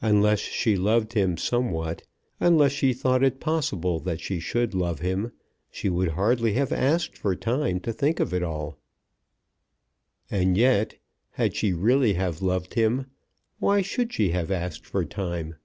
Unless she loved him somewhat, unless she thought it possible that she should love him, she would hardly have asked for time to think of it all. And yet, had she really have loved him, why should she have asked for time?